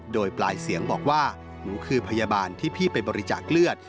โดยปลายเสียงบอกว่าหนูคือพยาบาลที่พี่ไปบริจาคเลือด